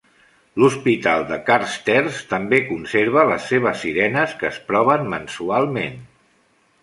L'hospital de Carstairs també conserva les seves sirenes, que es proven mensualment.